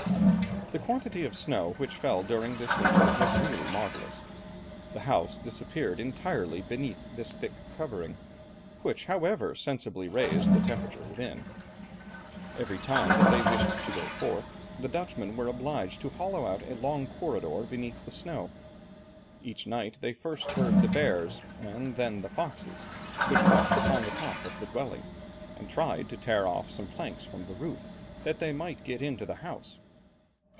The quantity of snow which fell during this winter, was really marvellous. The house disappeared entirely beneath this thick covering, which, however, sensibly raised the temperature within. Every time that they wished to go forth, the Dutchmen were obliged to hollow out a long corridor beneath the snow. Each night they first heard the bears, and then the foxes, which walked upon the top of the dwelling, and tried to tear off some planks from the roof, that they might get into the house.